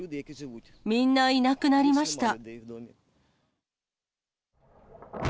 みんないなくなりました。